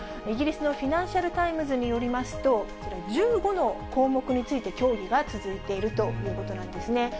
イギリスのフィナンシャル・タイムズによりますと、こちら１５の項目について協議が続いているということなんですね。